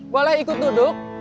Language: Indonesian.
boleh ikut duduk